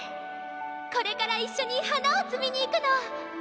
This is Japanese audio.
これから一緒に花を摘みに行くの！